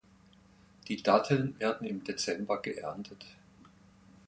Die Datteln werden im Dezember geerntet.